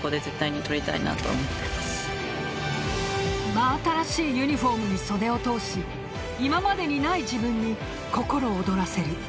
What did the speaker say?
真新しいユニホームに袖を通し今までにない自分に心躍らせる。